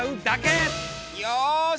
よし！